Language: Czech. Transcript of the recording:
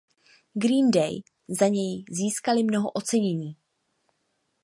Green Day za něj získali mnoho ocenění.